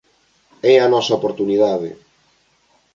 É a nosa oportunidade.